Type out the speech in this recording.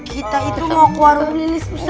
kita itu mau ke warung lilis busa